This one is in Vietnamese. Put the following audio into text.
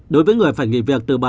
đối với người phải nghỉ việc từ bảy